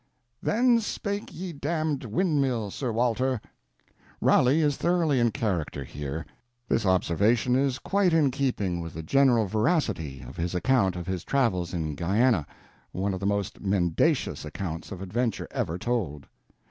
"THEN SPAKE YE DAMNED WINDMILL, SIR WALTER" Raleigh is thoroughly in character here; this observation is quite in keeping with the general veracity of his account of his travels in Guiana, one of the most mendacious accounts of adventure ever told.